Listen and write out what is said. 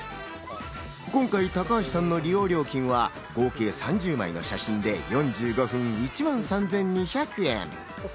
今回、高橋さんの利用料金は合計３０枚の写真で４５分１万３２００円。